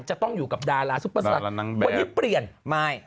จะต้องอยู่กับดาราซุปเปอร์สตาร์วันนี้เปลี่ยนไม่